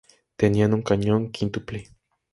Tenía un cañón quíntuple.